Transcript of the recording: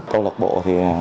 câu lạc bộ thì